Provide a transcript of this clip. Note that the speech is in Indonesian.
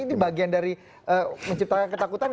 ini bagian dari menciptakan ketakutan